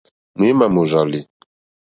Ŋměmà mòrzàlì.